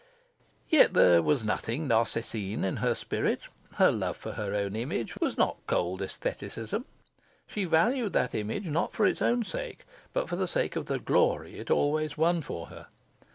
Yet was there nothing Narcissine in her spirit. Her love for her own image was not cold aestheticism. She valued that image not for its own sake, but for sake of the glory it always won for her.